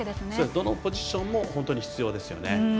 どのポジションも本当に必要ですよね。